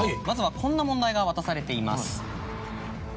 まずはこんな問題が渡されています。